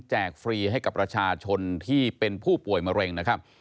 ฟรีให้กับประชาชนที่เป็นผู้ป่วยมะเร็งนะครับ